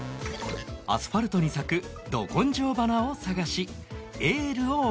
アスファルトに咲くど根性花を探しエールを送ろう